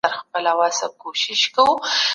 د سیاسي بندیانو قضیې په پټه توګه څیړل کیږي.